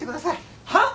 はっ？